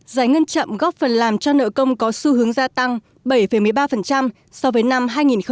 giải ngân chậm góp phần làm cho nợ công có xu hướng gia tăng bảy một mươi ba so với năm hai nghìn một mươi bảy